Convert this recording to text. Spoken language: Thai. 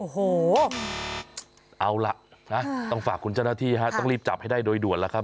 โอ้โหเอาล่ะนะต้องฝากคุณเจ้าหน้าที่ฮะต้องรีบจับให้ได้โดยด่วนแล้วครับ